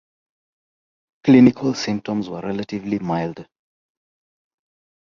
Clinical symptoms were relatively mild.